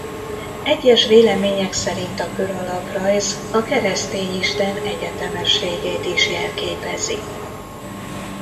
Egyes vélemények szerint a kör alaprajz a keresztény isten egyetemességét is jelképezi.